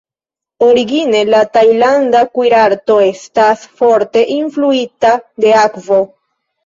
Origine la tajlanda kuirarto estas forte influita de akvo.